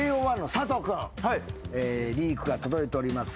リークが届いております。